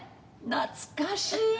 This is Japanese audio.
懐かしい。